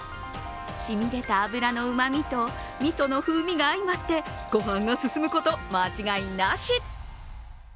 しみ出た脂のうまみと、みその風味が相まってご飯が進むこと間違いなし。